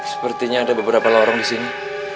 sepertinya ada beberapa lorong disini